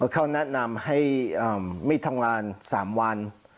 เขาแนะนำให้ไม่ทำงาน๓วัน